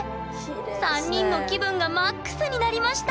３人の気分がＭＡＸになりました！